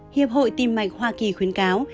hiệp hội tìm mạch hoa kỳ khuyến cáo